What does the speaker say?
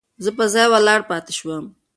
زه په ځای ولاړ پاتې شوم.